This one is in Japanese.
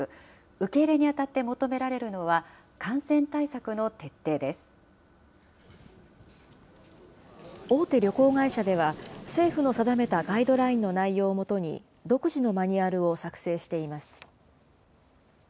受け入れにあたって求められるの大手旅行会社では、政府の定めたガイドラインの内容をもとに、独自のマニュアルを作成しています。